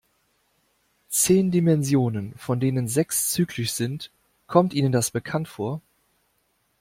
Zehn Dimensionen, von denen sechs zyklisch sind, kommt Ihnen das bekannt vor?